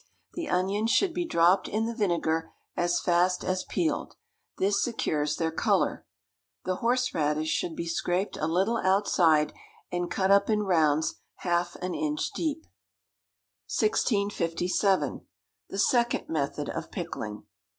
The onions should be dropped in the vinegar as fast as peeled; this secures their colour. The horseradish should be scraped a little outside, and cut up in rounds half an inch deep. 1657. The Second Method of Pickling.